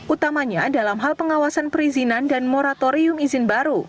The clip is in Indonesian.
utamanya dalam hal pengawasan perizinan dan moratorium izin baru